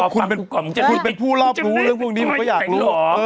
คุณเป็นผู้รอบรู้เรื่องพวกนี้ผมก็อยากรู้เหรอ